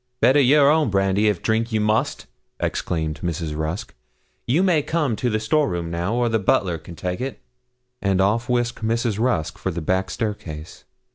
'Better your own brandy, if drink you must!' exclaimed Mrs. Rusk. 'You may come to the store room now, or the butler can take it.' And off whisked Mrs. Rusk for the back staircase.